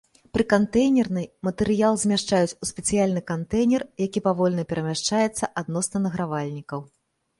Пры кантэйнернай матэрыял змяшчаюць у спецыяльны кантэйнер, які павольна перамяшчаецца адносна награвальнікаў.